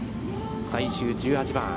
最終１８番。